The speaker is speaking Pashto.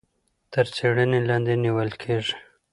تر څيړنې لاندي نيول کېږي.